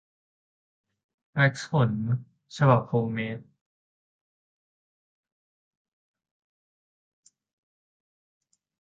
แว็กซ์ขน ฉบับโฮมเมด